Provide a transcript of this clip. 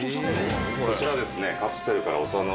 こちらですね。